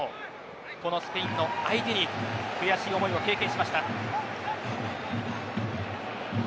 このスペイン相手に悔しい思いを経験しました。